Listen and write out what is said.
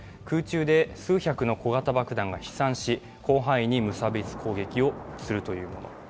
空中で数百の小型爆弾が飛散し、広範囲に無差別攻撃をするというもの。